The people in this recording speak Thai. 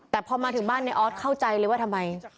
แต่พอมาถึงบ้านในออสเข้าใจเลยว่าทำไม